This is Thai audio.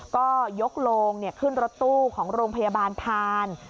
ก็ยกโลงขึ้นรถตู้ของโรงพยาบาลพาน